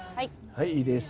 はいいいです。